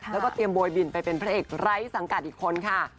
แล้วก็เตรียมโบยบินไปเป็นพระเอกไร้สังกัดอีกคนค่ะ